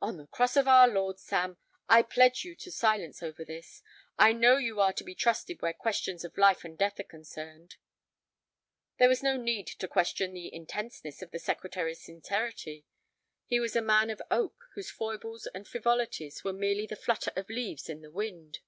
"On the Cross of our Lord, Sam, I pledge you to silence over this. I know you are to be trusted where questions of life and death are concerned." There was no need to question the intenseness of the Secretary's sincerity. He was a man of oak whose foibles and frivolities were merely the flutter of leaves in the wind.